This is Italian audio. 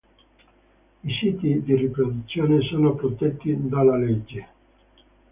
I siti di riproduzione sono protetti dalla legge.